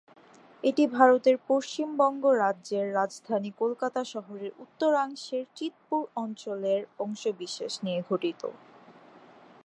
এটি ভারতের পশ্চিমবঙ্গ রাজ্যের রাজধানী কলকাতা শহরের উত্তরাংশের চিৎপুর অঞ্চলের অংশবিশেষ নিয়ে গঠিত।